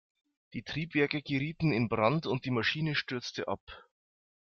Die Triebwerke gerieten in Brand und die Maschine stürzte ab.